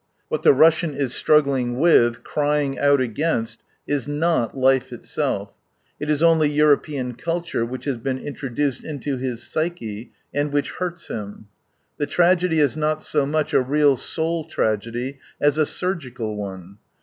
What 7 the Russian is struggling with, crying out against, is not life itself : it is only European culture which has been introduced into his psyche, and which hurts him, The tragedy is not so much a real soul tragedy, as a surgical one.